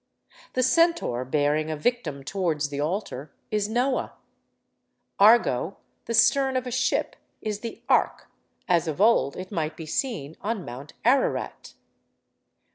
The Centaur bearing a victim towards the altar is Noah; Argo, the stern of a ship, is the ark, as of old it might be seen on Mount Ararat.